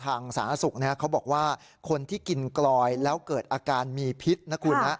อาสุกนะเขาบอกว่าคนที่กินกลอยแล้วเกิดอาการมีพิษนะครับ